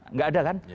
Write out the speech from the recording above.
nggak ada kan